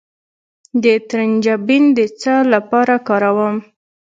د ترنجبین د څه لپاره وکاروم؟